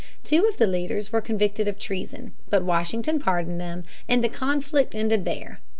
Two of the leaders were convicted of treason. But Washington pardoned them, and the conflict ended there.